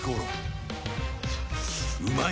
うまい！